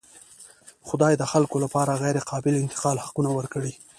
خدای د خلکو لپاره غیرقابل انتقال حقونه ورکړي.